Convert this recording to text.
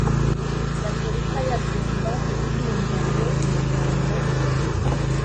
gatolika ya byumba usimbuye umuryango.